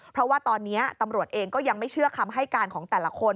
เพราะว่าตอนนี้ตำรวจเองก็ยังไม่เชื่อคำให้การของแต่ละคน